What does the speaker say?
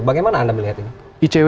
bagaimana anda melihat ini